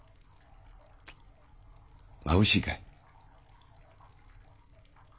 まぶしいかい？